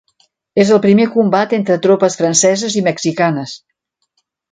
És el primer combat entre tropes franceses i mexicanes.